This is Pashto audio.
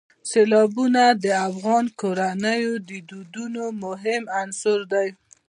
سیلابونه د افغان کورنیو د دودونو مهم عنصر دی.